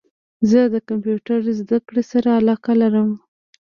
زه د کمپیوټرد زده کړي سره علاقه لرم